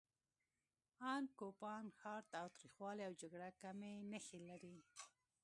ان کوپان ښار تاوتریخوالي او جګړو کمې نښې لري.